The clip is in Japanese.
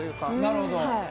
なるほど。